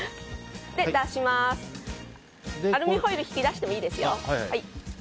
アルミホイルを引き出してもいいですよ。